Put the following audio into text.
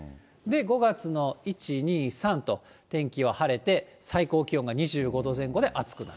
５月の１、２、３と天気は晴れて、最高気温が２５度前後で暑くなる。